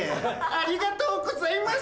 ありがとうございます